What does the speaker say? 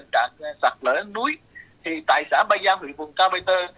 giá do lượng nước núi thì tại xã ba giam huyện viert vùng cao bay tơ